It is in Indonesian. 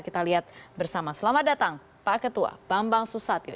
kita lihat bersama selamat datang pak ketua bambang susatyo